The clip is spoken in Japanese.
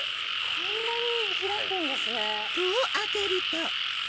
こんなに開くんですね。